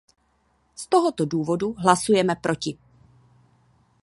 Z tohoto důvodu hlasujeme proti.